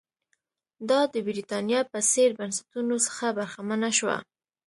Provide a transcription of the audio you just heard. دا د برېټانیا په څېر بنسټونو څخه برخمنه شوه.